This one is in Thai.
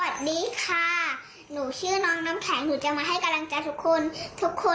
ดูสิฮะอยากจะให้กำลังใจคนอื่นด้วย